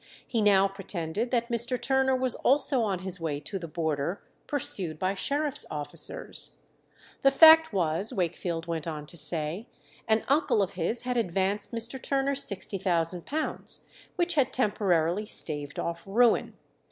He now pretended that Mr. Turner was also on his way to the border, pursued by sheriffs' officers. The fact was, Wakefield went on to say, an uncle of his had advanced Mr. Turner £60,000, which had temporarily staved off ruin.